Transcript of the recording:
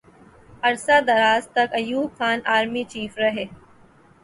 عرصہ دراز تک ایوب خان آرمی چیف رہے۔